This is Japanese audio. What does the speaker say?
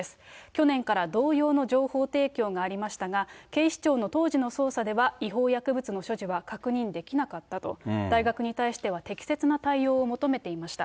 去年から同様の情報提供がありましたが、警視庁の当時の捜査では、違法薬物の所持は確認できなかったと、大学に対しては、適切な対応を求めていました。